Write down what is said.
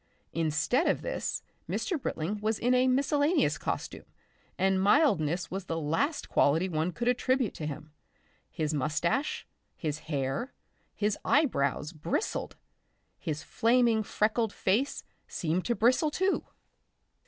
Instead of this, Mr. Britling was in a miscellaneous costume, and mildness was the last quality one could attribute to him. His moustache, his hair, his eyebrows bristled; his flaming freckled face seemed about to bristle too.